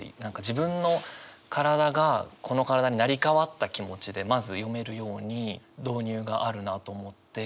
自分の体がこの体に成り代わった気持ちでまず読めるように導入があるなと思って。